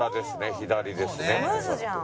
左ですね。